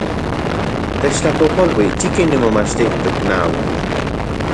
Techtlapojpolui, yikin nimomachtijtok nauatl